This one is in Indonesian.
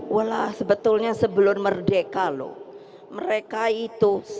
walah sebetulnya sebelum merdeka loh